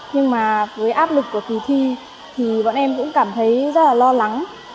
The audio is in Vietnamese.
nhưng mà với áp lực của kỳ thi thì bọn em cũng cảm thấy rất là lo lắng